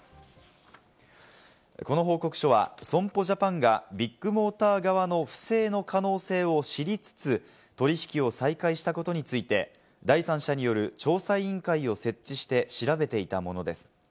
この報告書は、損保ジャパンがビッグモーター側の不正の可能性を知りつつ取引を再開したことについて、第三者による調査委員会を設置して調べていたものです。